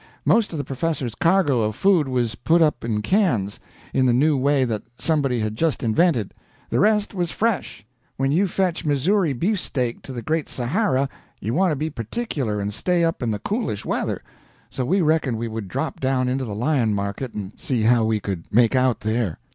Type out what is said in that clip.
Most of the professor's cargo of food was put up in cans, in the new way that somebody had just invented; the rest was fresh. When you fetch Missouri beefsteak to the Great Sahara, you want to be particular and stay up in the coolish weather. So we reckoned we would drop down into the lion market and see how we could make out there.